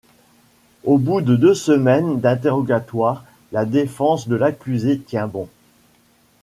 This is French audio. Au bout de deux semaines d’interrogatoires, la défense de l'accusée tient bon.